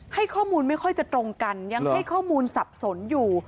ให้ข้อมูลไม่ค่อยจะตรงกันยังให้ข้อมูลสับสนอยู่